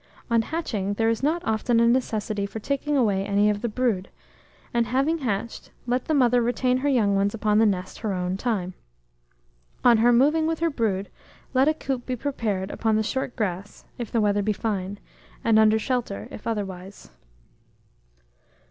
On hatching, there is not often a necessity for taking away any of the brood; and, having hatched, let the mother retain her young ones upon the nest her own time. On her moving with her brood, let a coop be prepared upon the short grass, if the weather be fine, and under shelter, if otherwise."